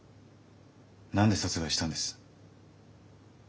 何で殺害したんです？